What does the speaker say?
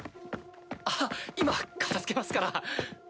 あっ今片づけますから。